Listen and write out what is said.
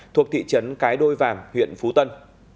thuộc thị trấn cái đôi vàng huyện phú tân